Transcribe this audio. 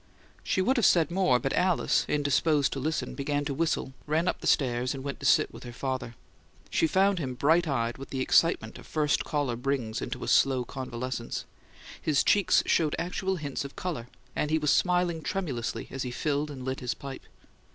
She would have said more, but Alice, indisposed to listen, began to whistle, ran up the stairs, and went to sit with her father. She found him bright eyed with the excitement a first caller brings into a slow convalescence: his cheeks showed actual hints of colour; and he was smiling tremulously as he filled and lit his pipe.